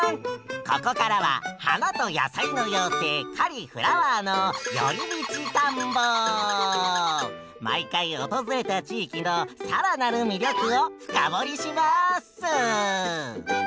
ここからは花と野菜の妖精カリ・フラワーの毎回訪れた地域の更なる魅力を深掘りします！